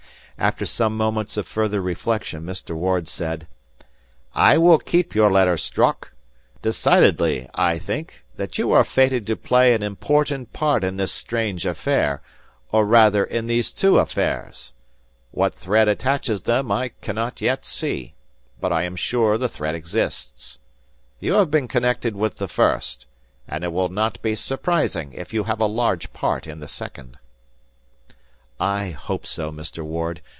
After some moments of further reflection, Mr. Ward said, "I will keep your letter, Strock. Decidedly, I think, that you are fated to play an important part in this strange affair or rather in these two affairs. What thread attaches them, I cannot yet see; but I am sure the thread exists. You have been connected with the first, and it will not be surprising if you have a large part in the second." "I hope so, Mr. Ward.